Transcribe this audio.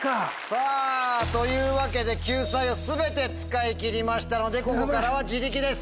さぁというわけで救済を全て使い切りましたのでここからは自力です。